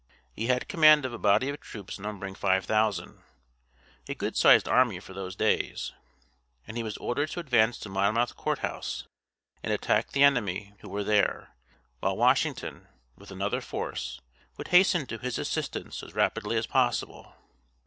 He had command of a body of troops numbering five thousand, a good sized army for those days, and he was ordered to advance to Monmouth Court House and attack the enemy who were there, while Washington, with another force, would hasten to his assistance as rapidly as possible.